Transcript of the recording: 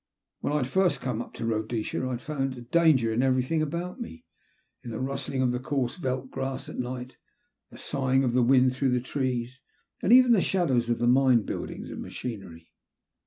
When I had first come up to Rhodesia I had found a danger in everything about me. In the rustling of the coarse veldt grass at nighty the sighing of the wind through the trees, and even the shadows of the mine buildings and machinery.